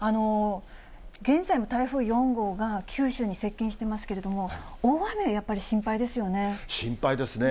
現在も台風４号が九州に接近してますけれども、大雨はやっぱり心配ですよね。